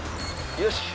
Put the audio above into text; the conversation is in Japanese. よし。